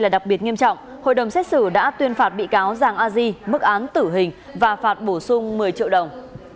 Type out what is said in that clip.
đặc biệt nghiêm trọng hội đồng xét xử đã tuyên phạt bị cáo giàng a di mức án tử hình và phạt bổ sung một mươi triệu đồng